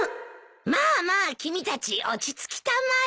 まあまあ君たち落ち着きたまえ。